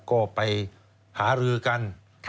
ก็ไปหารือกัน